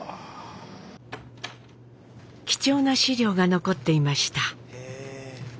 貴重な資料が残っていました。